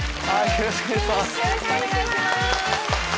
よろしくお願いします。